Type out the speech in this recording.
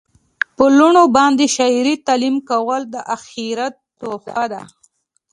په لوڼو باندي شرعي تعلیم کول د آخرت توښه ده